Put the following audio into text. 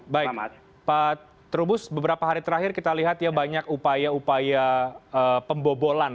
baik pak terubus beberapa hari terakhir kita lihat ya banyak upaya upaya pembobolan